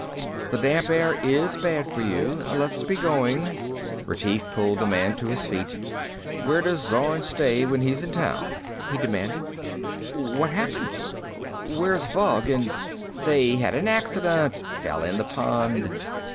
"The damp air is bad for you. Let's be going." Retief pulled the man to his feet. "Where does Zorn stay when he's in town?" he demanded. "What happened? Where's Vug and...." "They had an accident. Fell in the pond."